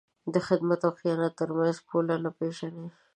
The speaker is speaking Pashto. د خدمت او خیانت تر منځ پوله نه پېژني.